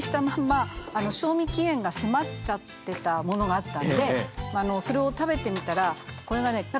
まんま賞味期限が迫っちゃってたものがあったんでそれを食べてみたらこれがね